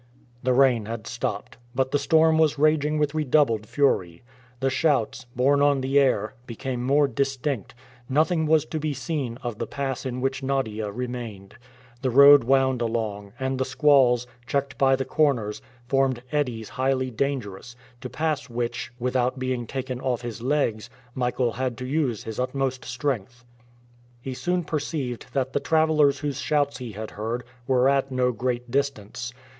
The rain had stopped, but the storm was raging with redoubled fury. The shouts, borne on the air, became more distinct. Nothing was to be seen of the pass in which Nadia remained. The road wound along, and the squalls, checked by the corners, formed eddies highly dangerous, to pass which, without being taken off his legs, Michael had to use his utmost strength. He soon perceived that the travelers whose shouts he had heard were at no great distance.